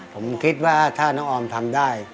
ผมคิดว่าถ้าน้องออมทำได้